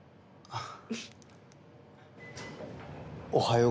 あっ。